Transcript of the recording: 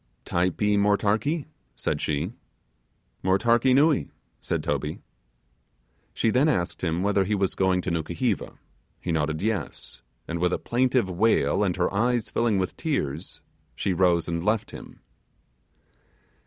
'Typee motarkee?' said she. 'Motarkee nuee,' said Toby. She then asked him whether he was going to Nukuheva; he nodded yes; and with a plaintive wail and her eyes filling with tears she rose and left him.